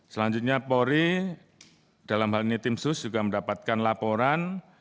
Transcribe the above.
selanjutnya polri dalam hal ini tim sus juga mendapatkan laporan